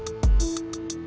ah cik wali